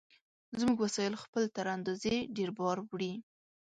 زموږ وسایل خپل تر اندازې ډېر بار وړي.